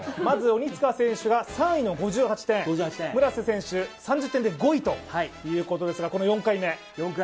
まず鬼塚選手が３位の５８点、村瀬選手、３０点で５位ということですが、４回目。